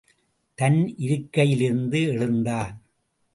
தன் இருக்கையிலிருந்து எழுந்தான்.